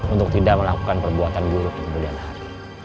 untuk tidak melakukan perbuatan buruk kemudian hari